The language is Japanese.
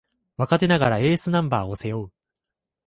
若手ながらエースナンバーを背負う